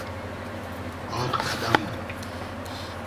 آر قئدئم